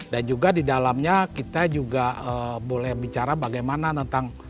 dan juga di dalamnya kita juga boleh bicara bagaimana tentang